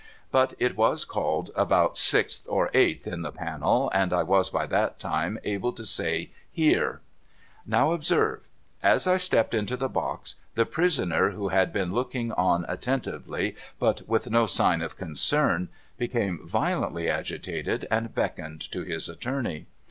But it was called about sixth or eighth in the panel, and I was by that time able to say ' Here !' Now, observe. As I stepped into the box, the prisoner, who had been looking on attentively, but with no sign of concern, became violently agitated, and beckoned to his attorney.